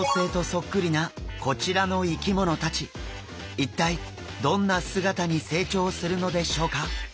一体どんな姿に成長するのでしょうか？